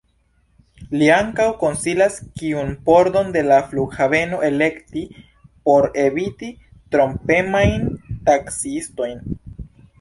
Li ankaŭ konsilas, kiun pordon de la flughaveno elekti por eviti trompemajn taksiistojn.